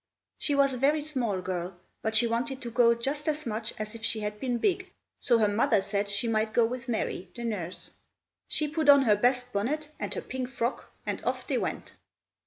She was a very small girl, but she wanted to go just as much as if she had been big, so her mother said she might go with Mary, the nurse. She put on her best bonnet, and her pink frock, and off they went.